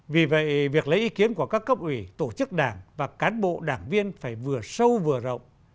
vì vậy việc lấy ý kiến của các cấp ủy tổ chức đảng và cán bộ đảng viên phải vừa sâu vừa rộng